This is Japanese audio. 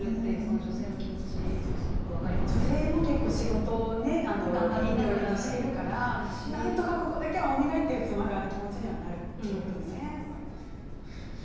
女性も仕事を両立しているから、なんとかここだけはお願いという妻側の気持ちにはなりますけどね。